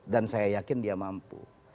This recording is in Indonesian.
dan saya yakin dia mampu